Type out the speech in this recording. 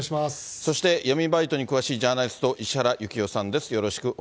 そして闇バイトに詳しいジャーナリスト、石原行雄さんです。